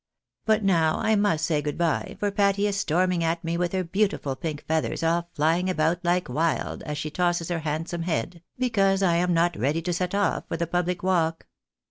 But now I must say good by, for Patty is storming at me with her beautiful pink feathers all flying about like wUd, as she tosses her handsome head, because I am not ready to set off for the public walk.